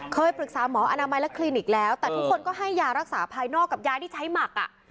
เคยปรึกษาหมออนามัยและคลินิกแล้วแต่ทุกคนก็ให้ยารักษาภายนอกกับยาที่ใช้หมัก